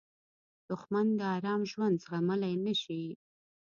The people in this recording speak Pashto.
دښمن د آرام ژوند زغملی نه شي